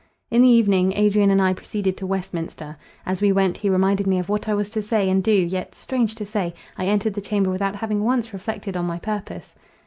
In the evening, Adrian and I proceeded to Westminster. As we went he reminded me of what I was to say and do, yet, strange to say, I entered the chamber without having once reflected on my purpose.